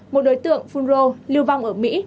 một đối tượng phú rô lưu vong ở mỹ